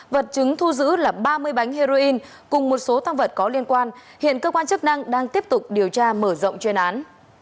vật chứng thu giữ là ba mươi bánh heroin cùng một số thăng vật có liên quan hiện cơ quan chức năng đang tiếp tục điều tra mở rộng chuyên án